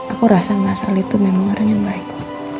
aku rasa mas al itu memang orang yang baik